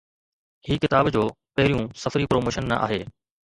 هي ڪتاب جو پهريون سفري پروموشن نه آهي